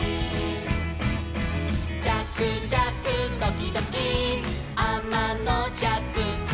「じゃくじゃくドキドキあまのじゃく」